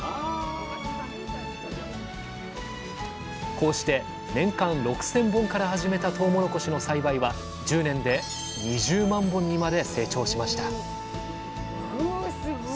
こうして年間６，０００本から始めたとうもろこしの栽培は１０年で２０万本にまで成長しましたすごい。